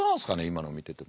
今の見てて。